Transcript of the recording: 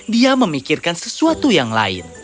dia memikirkan sesuatu yang lain